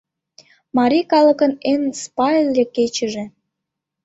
Марий калыкын эн спайле кечыже.